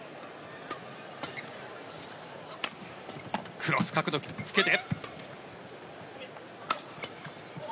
クロス、角度をつけて。